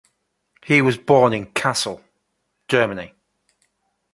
He was born in Kassel, Germany.